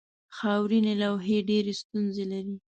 خاورینې لوحې ډېرې ستونزې لري.